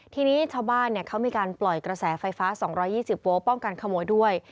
ที่นี้ชาวบ้านเนี่ยเขามีการปล่อยกระแสไฟฟ้าสองร้อยยี่สิบโป้งป้องกันขโมยด้วย